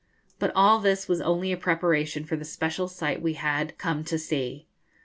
But all this was only a preparation for the special sight we had come to see.